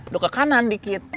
lo ke kanan dikit